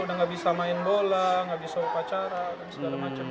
udah gak bisa main bola gak bisa berpacara segala macam